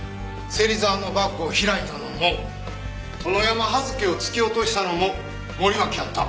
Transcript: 芹沢のバッグを開いたのも殿山葉月を突き落としたのも森脇やった。